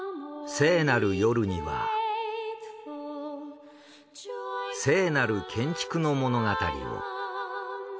聖なる夜には聖なる建築の物語を。